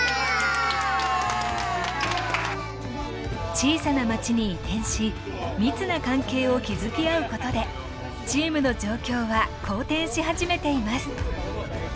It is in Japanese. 小さな町に移転し密な関係を築き合うことでチームの状況は好転し始めています。